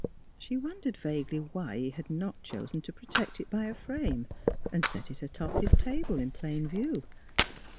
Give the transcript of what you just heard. She wondered vaguely why he had not chosen to protect it by a frame and set it atop his table in plain view.